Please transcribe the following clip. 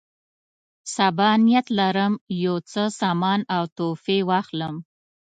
سبا نیت لرم یو څه سامان او تحفې واخلم.